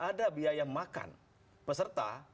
ada biaya makan peserta